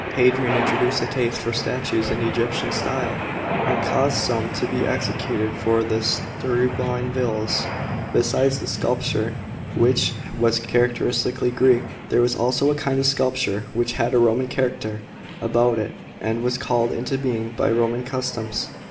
Hadrian introduced a taste for statues in Egyptian style, and caused some to be executed for his Tiburtine villa. Besides the sculpture which was characteristically Greek, there was also a kind of sculpture which had a Roman character about it, and was called into being by Roman customs.